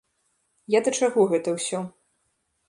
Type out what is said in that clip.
Я да чаго гэта ўсё?